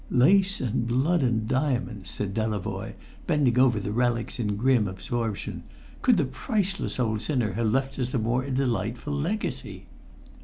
"Lace and blood and diamonds!" said Delavoye, bending over the relics in grim absorption. "Could the priceless old sinner have left us a more delightful legacy?"